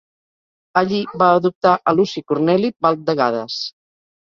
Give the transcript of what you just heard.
Allí va adoptar a Luci Corneli Balb de Gades.